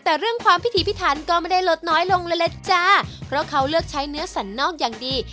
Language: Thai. แต่เรื่องความพิถีพิถันก็ไม่ได้ลดน้อยลงเลยแหละจ้าเพราะเขาเลือกใช้เนื้อสันนอกอย่างดี